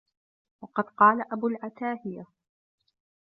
وَقَدْ قَالَ أَبُو الْعَتَاهِيَةِ